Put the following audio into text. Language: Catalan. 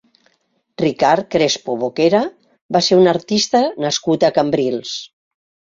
Ricard Crespo Boquera va ser un artista nascut a Cambrils.